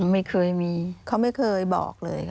ไม่เคยมีเขาไม่เคยบอกเลย